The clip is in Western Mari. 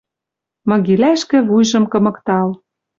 Мыгилӓшкӹ вуйжым кымыктал.